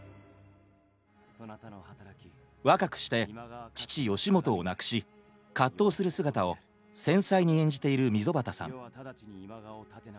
若くして父義元を亡くし葛藤する姿を繊細に演じている溝端さん。